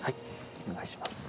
お願いします。